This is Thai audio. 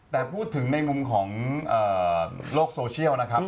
แต่พูดถึงในมุมของโลกโซเชียลนะครับ